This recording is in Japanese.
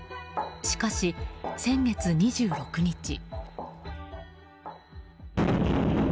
しかし、先月２６日。